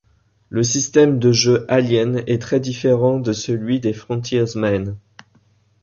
Le système de jeu alien est très différent de celui des Frontiersmen.